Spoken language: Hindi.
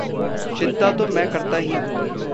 चिंता तो में करता ही हूँ।